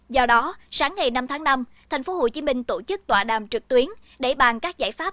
do đó sáng ngày năm tháng năm tp hcm tổ chức tọa đàm trực tuyến để bàn các giải pháp